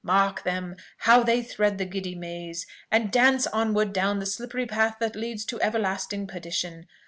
Mark them! how they thread the giddy maze, and dance onward down the slippery path that leads to everlasting perdition!